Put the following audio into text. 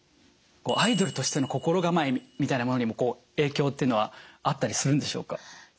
アイドルとしての心構えみたいなものにも影響っていうのはあったりするんでしょうか？